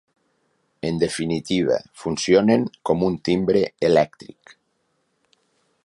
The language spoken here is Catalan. En definitiva, funcionen com un timbre elèctric.